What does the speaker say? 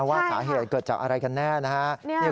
ว่าสาเหตุเกิดจากอะไรกันแน่นะครับ